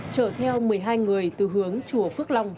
chở theo một mươi hai người từ hướng chùa phước long